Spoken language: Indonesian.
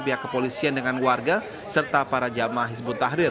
pihak kepolisian dengan warga serta para jamaah hizbut tahrir